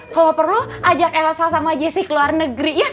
kalo perlu ajak elsa sama jessy ke luar negeri ya